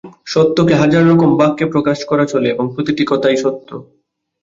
সত্যকে হাজার রকম বাক্যে প্রকাশ করা চলে, এবং প্রতিটি কথাই সত্য।